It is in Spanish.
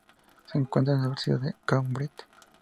Se encuentra en la Universidad de Cambridge.